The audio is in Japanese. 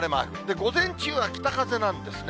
午前中は北風なんですね。